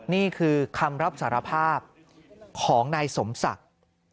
นี่คือคำรับสารภาพของนายสมศักดิ์